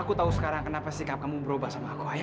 aku tahu sekarang kenapa sikap kamu berubah sama aku